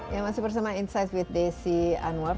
ya masih bersama insight with desi anwar